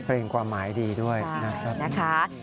เพลงความหมายดีด้วยนะคะ